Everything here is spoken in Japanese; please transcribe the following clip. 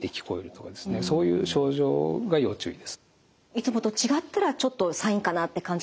いつもと違ったらちょっとサインかなって感じた方が。